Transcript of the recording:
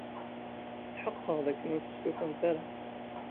Tḥeqqeɣ d akken ur testufamt ara.